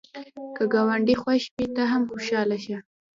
که ګاونډی خوښ وي، ته هم خوشحاله شه